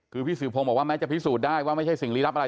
คือพี่สื่อพงศ์บอกว่าแม้จะพิสูจน์ได้ว่าไม่ใช่สิ่งลี้ลับอะไร